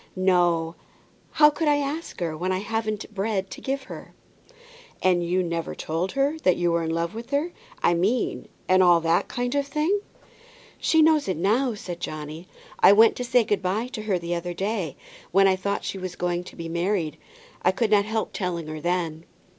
"No; how could I ask her, when I hadn't bread to give her?" "And you never told her that you were in love with her, I mean, and all that kind of thing." "She knows it now," said Johnny; "I went to say good by to her the other day, when I thought she was going to be married. I could not help telling her then."